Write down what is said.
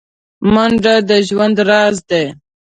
منډه د ژوند راز دی